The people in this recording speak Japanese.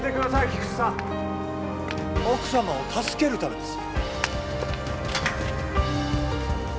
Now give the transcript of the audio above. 菊知さん奥様を助けるためです